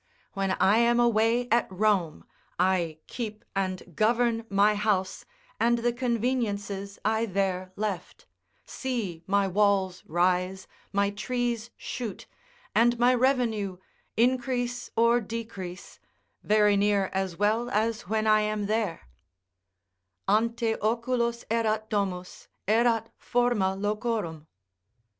When I am away at Rome, I keep and govern my house, and the conveniences I there left; see my walls rise, my trees shoot, and my revenue increase or decrease, very near as well as when I am there: "Ante oculos errat domus, errat forma locorum."